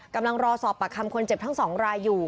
กำลังรอสอบปากคำคนเจ็บทั้ง๒รายอยู่